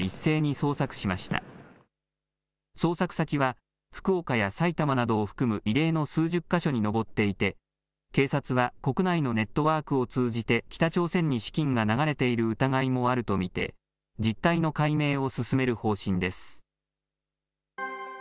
捜索先は、福岡や埼玉などを含む異例の数十か所に上っていて、警察は国内のネットワークを通じて、北朝鮮に資金が流れている疑いもあると見て、実態の解明を進める方針です。